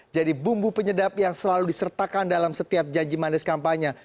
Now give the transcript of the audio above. jadi bumbu penyedap yang selalu disertakan dalam setiap janji mandes kampanye